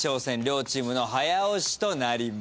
両チームの早押しとなります。